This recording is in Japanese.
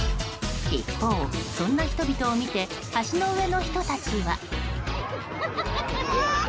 一方、そんな人々を見て橋の上の人たちは。